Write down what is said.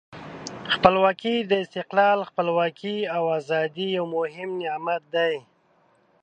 خپلواکي د استقلال، خپلواکي او آزادۍ یو مهم نعمت دی.